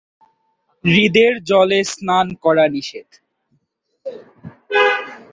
হ্রদের জলে স্নান করা নিষেধ।